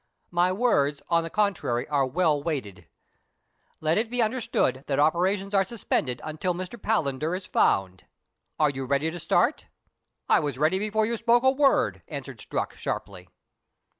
" My words, on the contrary, are well weighed. Let it be understood that operations are suspended until Mr. Palander is found. Are you ready to start .?"" I was ready before you spoke a word," answered Strux sharply.